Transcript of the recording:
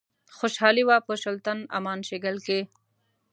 خوشحالي وه په شُلتن، امان شیګل کښي